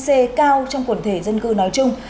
và viêm gan c cao trong quần thể dân cư nói chung